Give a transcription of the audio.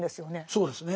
そうですね。